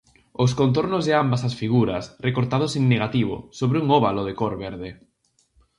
Os contornos de ambas as figuras recortados en negativo sobre un óvalo de cor verde.